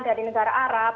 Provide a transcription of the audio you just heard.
dari negara arab